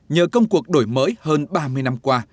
nhờ công cuộc đổi mới hơn ba mươi năm qua